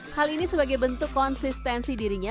hal ini sebagai bentuk konsistensi dirinya